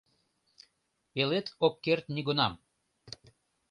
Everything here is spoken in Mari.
Пелед ок керт нигунам.